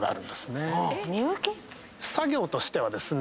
作業としてはですね